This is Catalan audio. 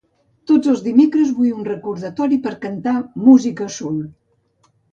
Tots els dimecres vull un recordatori per cantar música soul.